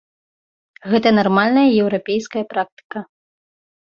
Гэта нармальная еўрапейская практыка.